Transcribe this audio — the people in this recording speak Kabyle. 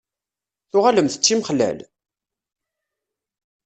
Tuɣalemt d timexlal?